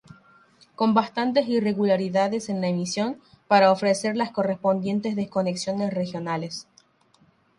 Con bastantes irregularidades en la emisión para ofrecer las correspondientes desconexiones regionales.